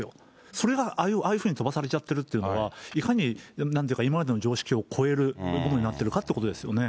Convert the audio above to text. それがああいうふうに飛ばされちゃっているっていうのは、いかに今までの常識を超えるものになってるかということですよね。